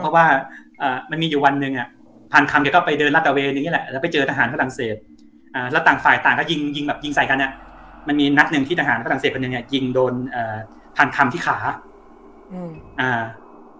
เพราะว่าเอ่อมันมีอยู่วันหนึ่งอ่ะพันคำแกก็ไปเดินรัฐตะเวนอย่างเงี้แหละแล้วไปเจอทหารฝรั่งเศสอ่าแล้วต่างฝ่ายต่างก็ยิงยิงแบบยิงใส่กันเนี้ยมันมีนัดหนึ่งที่ทหารฝรั่งเศสคนหนึ่งเนี้ยยิงโดนเอ่อพันคำที่ขาอืมอ่า